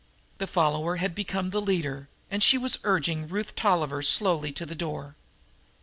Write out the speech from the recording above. The follower had become the leader, and she was urging Ruth Tolliver slowly to the door.